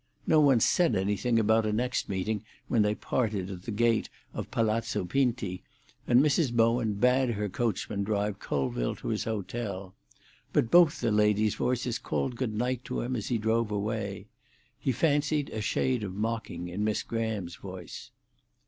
No one said anything about a next meeting when they parted at the gate of Palazzo Pinti, and Mrs. Bowen bade her coachman drive Colville to his hotel. But both the ladies' voices called good night to him as he drove away. He fancied a shade of mocking in Miss Graham's voice.